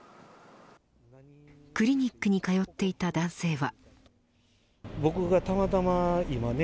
クリニックに通っていた男性は。